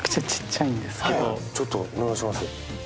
ちょっとお願いします。